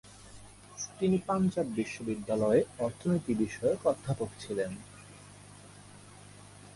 তিনি পাঞ্জাব বিশ্ববিদ্যালয়ে অর্থনীতি বিষয়ক অধ্যাপক ছিলেন।